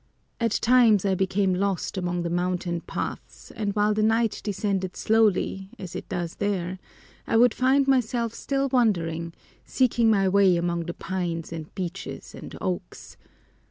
At times I became lost among the mountain paths and while the night descended slowly, as it does there, I would find myself still wandering, seeking my way among the pines and beeches and oaks.